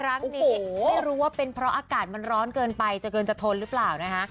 ครั้งนี้ไม่รู้ว่าเป็นเพราะอากาศมันร้อนเกินไปจะเกินจะทนหรือเปล่านะคะ